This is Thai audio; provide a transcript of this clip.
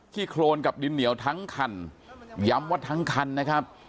โครนกับดินเหนียวทั้งคันย้ำว่าทั้งคันนะครับ